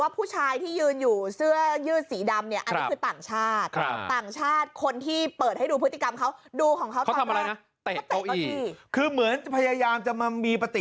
มีผู้ชายที่ยืนอยู่เสื้อยืดสีดำเนี่ยอันนั้นคือต่างชาติ